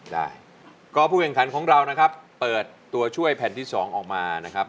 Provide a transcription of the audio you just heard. ได้ก็ผู้แข่งขันของเรานะครับเปิดตัวช่วยแผ่นที่สองออกมานะครับ